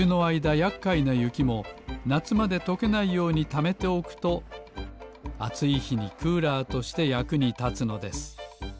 やっかいなゆきもなつまでとけないようにためておくとあついひにクーラーとしてやくにたつのです